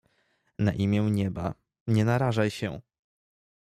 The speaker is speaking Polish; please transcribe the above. "na imię nieba, nie narażaj się!"